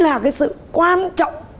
là cái sự quan trọng